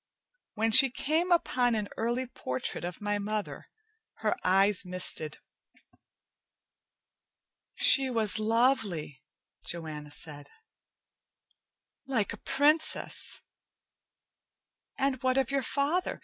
When she came upon an early portrait of my mother, her eyes misted. "She was lovely," Joanna said. "Like a princess! And what of your father?